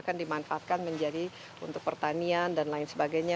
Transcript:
kan dimanfaatkan menjadi untuk pertanian dan lain sebagainya